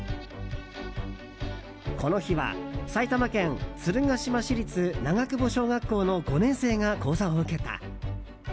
この日は埼玉県鶴ヶ島市立長久保小学校の５年生が講座を受けた。